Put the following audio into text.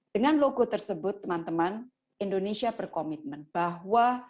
dengan logo tersebut teman teman indonesia berkomitmen bahwa